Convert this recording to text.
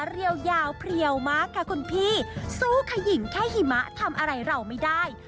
เร็วมากค่ะคุณพี่สู้ค่ะหญิงแค่หิมะทำอะไรเราไม่ได้